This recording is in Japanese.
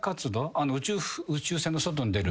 宇宙船の外に出る。